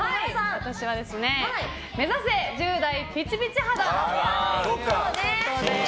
私は、目指せ１０代ピチピチ肌。